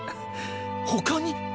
他に？